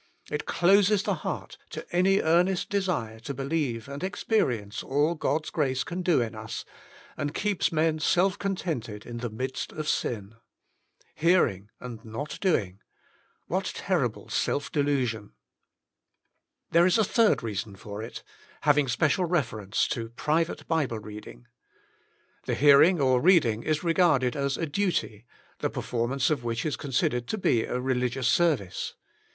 It closes the heart to any earnest desire to believe and experience all God's grace can do in us, and keeps men self contented in the midst of sin. Hearing and not doing — what terrible self delusion. There is a third reason for it, having special reference to private Bible reading. The hearing or reading is regarded as a duty, the performance of which is considered to be a religious service.